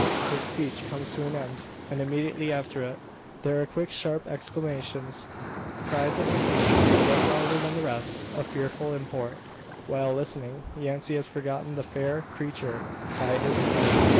His speech comes to an end; and immediately after it, there are quick sharp exclamations cries of assent one louder than the rest, of fearful import. While listening, Yancey has forgotten the fair creature by his side.